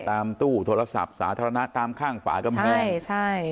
ตามตู้โทรศัพท์สาธารณะตามข้างฝากรรมงานใช่ใช่